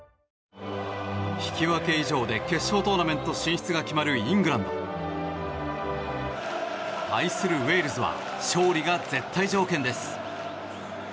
引き分け以上で決勝トーナメント進出が決まるイングランド。対するウェールズは勝利が絶対条件です。